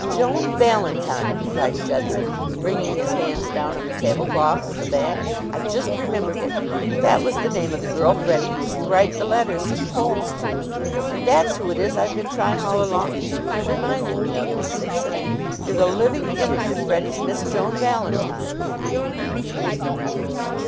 "Joan Valentine!" cried Judson, bringing his hands down on the tablecloth with a bang. "I've just remembered it. That was the name of the girl Freddie used to write the letters and poems to; and that's who it is I've been trying all along to think you reminded me of, Miss Simpson. You're the living image of Freddie's Miss Joan Valentine."